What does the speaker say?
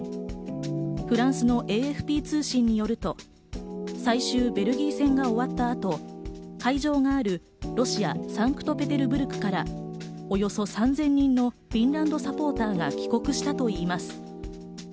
フランスのＡＦＰ通信によると、最終ベルギー戦が終わった後、会場があるロシア・サンクトペテルブルクからおよそ３０００人のフィンランドサポーターが帰国したといいます。